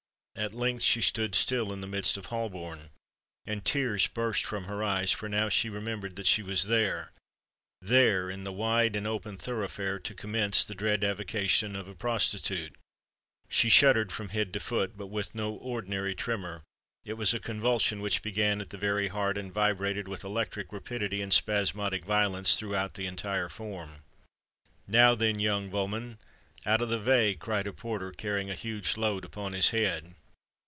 At length she stood still in the midst of Holborn, and tears burst from her eyes; for she now remembered that she was there—there, in the wide and open thoroughfare—to commence the dread avocation of a prostitute! She shuddered from head to foot—but with no ordinary tremor: it was a convulsion which began at the very heart, and vibrated with electric rapidity and spasmodic violence throughout the entire form. "Now then, young voman—out o' the vay!" cried a porter carrying a huge load upon his head.